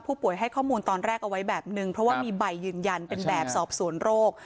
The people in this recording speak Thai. ให้ข้อมูลตอนแรกเอาไว้แบบนึงเพราะว่ามีใบยืนยันเป็นแบบสอบสวนโรค